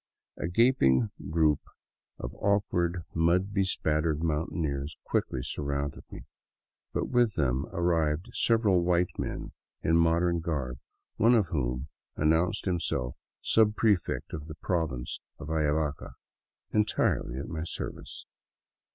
A gaping group of awk ward, mud bespattered mountaineers quickly surrounded me, but with them arrived several white men in modern garb, one of whom an nounced himself subprefect of the province of Ayavaca, entirely at my service.